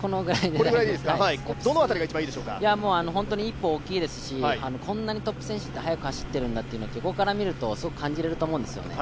本当に一歩大きいですし、こんなにトップ選手って速く走ってるんだと横から見るとすごく感じれると思うんですね。